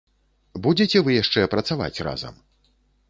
Будзеце вы яшчэ працаваць разам?